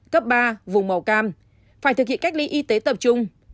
cấp ba vùng màu cam phải thực hiện cách ly y tế tập trung